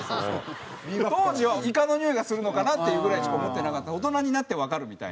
当時はイカのにおいがするのかなっていうぐらいしか思ってなかった大人になってわかるみたいな。